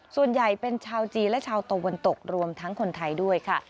ส่วนใหญ่เป็นชาวจีนและชาวตะวันตกรวมทั้งคนไทยด้วยค่ะ